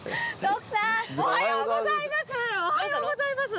おはようございます！